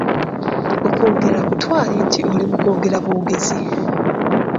Okwogera kutwale nti oli mu kwogera bwogezi.